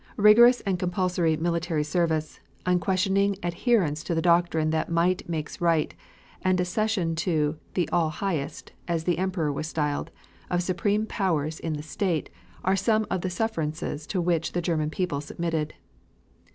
Rigorous and compulsory military service, unquestioning adherence to the doctrine that might makes right and a cession to "the All Highest," as the Emperor was styled, of supreme powers in the state, are some of the sufferances to which the German people submitted.